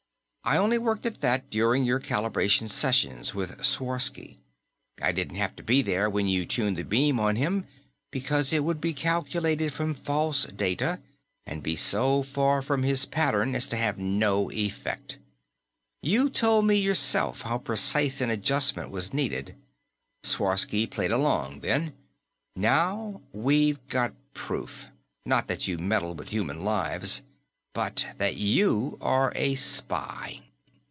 "I only worked at that during your calibrating sessions with Sworsky. I didn't have to be there when you turned the beam on him, because it would be calculated from false data and be so far from his pattern as to have no effect. You told me yourself how precise an adjustment was needed. Sworsky played along, then. Now we've got proof not that you meddled with human lives, but that you are a spy."